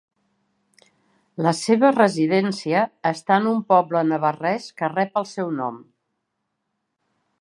La seva residència està en un poble navarrès que rep el seu nom.